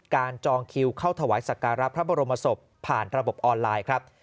จองคิวเข้าถวายสักการะพระบรมศพผ่านระบบออนไลน์ครับ